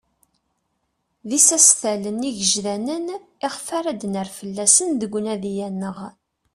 D isastalen igejdanen iɣef ad d-nerr fell-asen deg unadi-a-nneɣ.